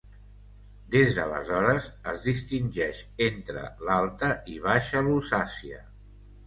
Des d'aleshores, es distingeix entre l'Alta i Baixa Lusàcia.